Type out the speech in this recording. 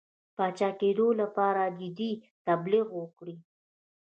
پاچاکېدلو لپاره جدي تبلیغ وکړي.